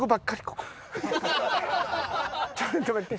ちょっと待って。